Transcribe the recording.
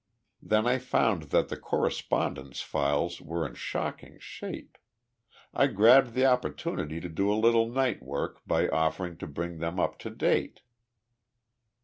Then I found that the correspondence files were in shocking shape. I grabbed the opportunity to do a little night work by offering to bring them up to date.